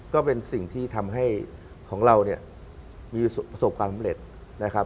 ก็เป็นสิ่งที่ทำให้ของเราเนี่ยมีประสบความสำเร็จนะครับ